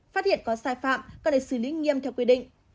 phát hiện có sai phạm có thể xử lý nghiêm theo quy định